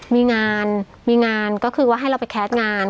มีงานมีงานก็คือว่าให้เราไปแคสต์งาน